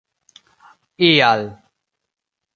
ial